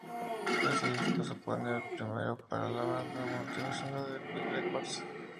Este disco supone el primero para la banda en una multinacional, Epic Records.